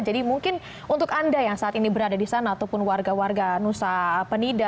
jadi mungkin untuk anda yang saat ini berada di sana ataupun warga warga nusa penida